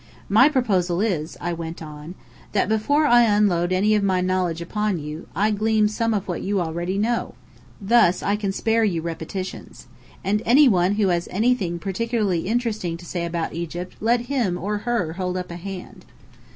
"My proposal is," I went on, "that before I unload any of my knowledge upon you, I gleam some idea of what you know already. Thus I can spare you repetitions. Any one who has anything particularly interesting to say about Egypt, let him or her hold up a hand."